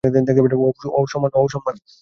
Wow, Samman.